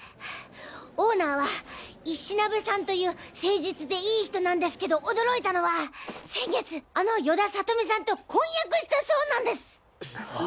オーナーは石鍋さんという誠実でいい人なんですけど驚いたのは先月あの与田理美さんと婚約したそうなんです！